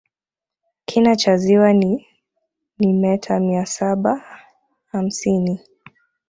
kina cha ziwa ni ni meta mia saba hamsini